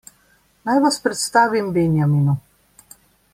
Naj vas predstavim Benjaminu.